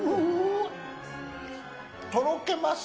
とろけます。